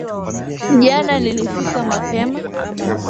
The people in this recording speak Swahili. Jana nilifika mapema